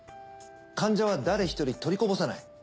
患者は誰一人取りこぼさない。